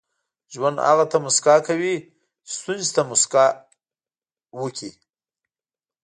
• ژوند هغه ته موسکا کوي چې ستونزې ته موسکا ورکړي.